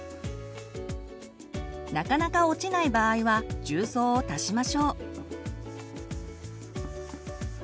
なかなか落ちない場合は重曹を足しましょう。